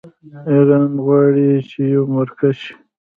ایران غواړي چې یو مرکز شي.